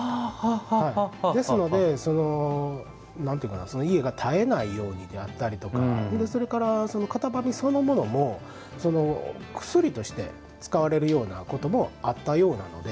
ですので、家が絶えないようにであったりとかそれから、片喰そのものも薬として使われるようなこともあったようなので。